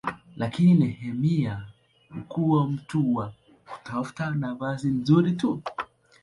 Lakini Nehemia hakuwa mtu wa kutafuta nafasi nzuri tu.